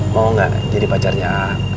mau nggak jadi pacarnya